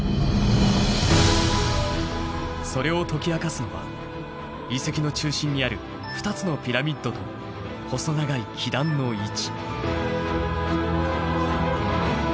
それを解き明かすのは遺跡の中心にある２つのピラミッドと細長い基壇の位置。